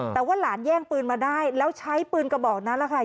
แต่ว่าหลานแย่งปืนมาได้แล้วใช้ปืนกระบอกนั้นแหละค่ะ